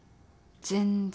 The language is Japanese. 全然。